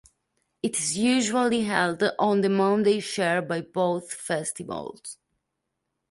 It is usually held on the Monday shared by both festivals.